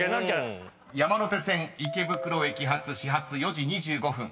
［山手線池袋駅発始発４時２５分］